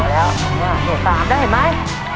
๓แล้ว๓ได้ไหม